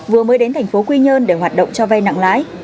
vừa mới đến tp quy nhơn để hoạt động cho vay nặng lái